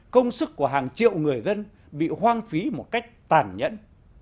công sức của hàng triệu người dân bị hoang phí một cách tàn nhẫn